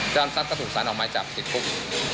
อมทรัพย์ก็ถูกสารออกหมายจับติดคุก